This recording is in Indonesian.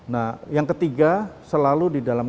nah yang ketiga selalu di dalam